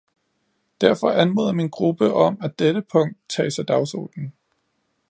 Derfor anmoder min gruppe om, at dette punkt tages af dagsordenen.